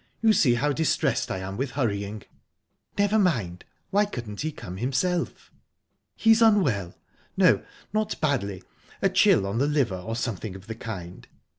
You see how distressed I am with hurrying." "Never mind. Why couldn't he come himself?" "He's unwell...No not badly. A chill on the liver, or something of the kind.